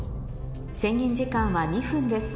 制限時間は２分です